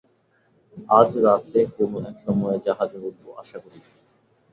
আজ রাত্রে কোন এক সময়ে জাহাজে উঠব, আশা করি।